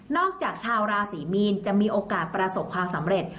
จากชาวราศรีมีนจะมีโอกาสประสบความสำเร็จ